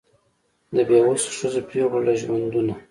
د بېوسو ښځو پېغلو له ژوندونه